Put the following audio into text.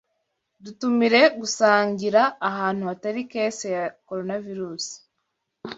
Dutumire gusangira ahantu hatari kese ya Coronavirus.